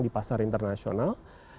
di pasar internasional